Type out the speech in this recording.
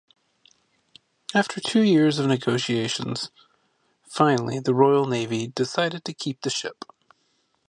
After two years of negotiations finally the Royal Navy decided to keep the ship.